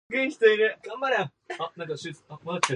The arms reach far around the egg.